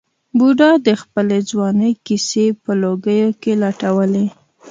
بوډا د خپلې ځوانۍ کیسې په لوګیو کې لټولې.